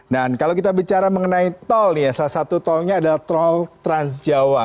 nah kalau kita bicara mengenai tol nih ya salah satu tolnya adalah tol transjawa